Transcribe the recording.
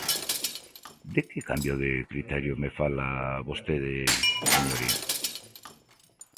¿De que cambio de criterio me fala vostede, señoría?